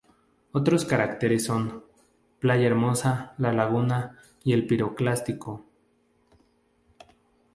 Otros cráteres son: playa Hermosa, La Laguna y el Piroclástico.